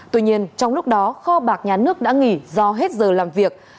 tuy nhiên trong lúc đó kho bạc nhà nước đã nghỉ do hết giờ làm việc